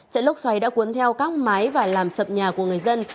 trận lốc xoáy đã cuốn theo các mái và làm sập nhà của người dân